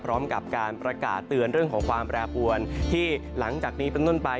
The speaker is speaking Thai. พร้อมกับการประกาศเตือนเรื่องของความแปรปวนที่หลังจากนี้เป็นต้นไป